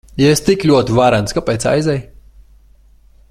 Ja esi tik ļoti varens, kāpēc aizej?